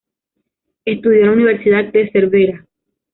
Estudió en la Universidad de Cervera.